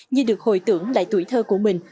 như được hồi tưởng lại tuổi thơ của mình